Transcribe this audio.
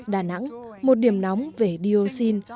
đà nẵng một điểm nóng về dioxin